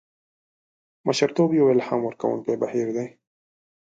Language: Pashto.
مشرتوب یو الهام ورکوونکی بهیر دی.